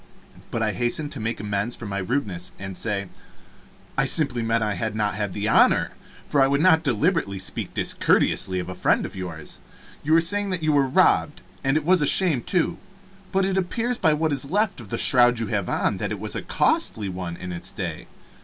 But I hastened to make amends for my rudeness, and say, "I simply meant I had not had the honor for I would not deliberately speak discourteously of a friend of yours. You were saying that you were robbed and it was a shame, too but it appears by what is left of the shroud you have on that it was a costly one in its day.